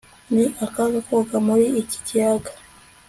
ni akaga koga muri iki kiyaga